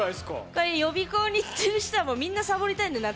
これは予備校に行ってる人はみんなサボりたいんで夏。